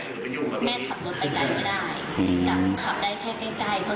กับเขาได้ใกล้เพราะแกหนึ่งแก่แล้ว